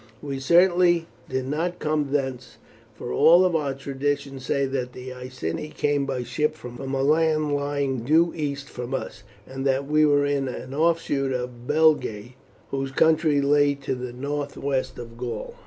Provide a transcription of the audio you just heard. We certainly did not come thence, for all our traditions say that the Iceni came by ship from a land lying due east from us, and that we were an offshoot of the Belgae, whose country lay to the northwest of Gaul."